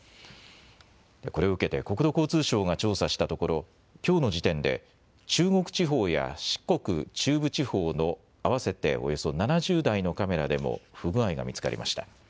これを受けて国土交通省が調査したところ、きょうの時点で中国地方や四国、中部地方の合わせておよそ７０台のカメラでも不具合が見つかりました。